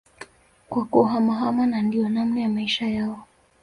kwa kuhamahama na ndio namna ya Maisha yao